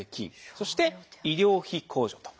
そして「医療費控除」と。